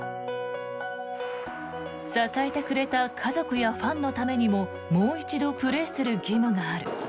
支えてくれた家族やファンのためにももう一度プレーする義務がある。